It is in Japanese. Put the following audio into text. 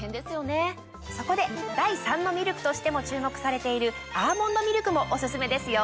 そこで第３のミルクとしても注目されているアーモンドミルクもオススメですよ。